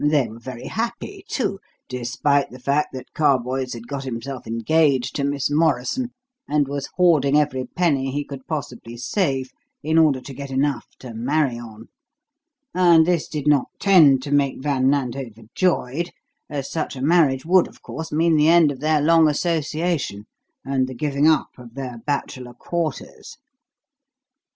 They were very happy, too, despite the fact that Carboys had got himself engaged to Miss Morrison, and was hoarding every penny he could possibly save in order to get enough to marry on; and this did not tend to make Van Nant overjoyed, as such a marriage would, of course, mean the end of their long association and the giving up of their bachelor quarters."